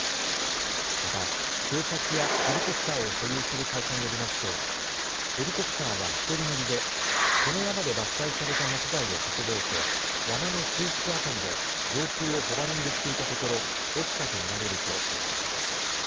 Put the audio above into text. また警察やヘリコプターを所有する会社によりますとヘリコプターは１人乗りでこの山で伐採された木材を運ぼうと山の中腹辺りで上空をホバリングしていたところ落ちたと見られるということです。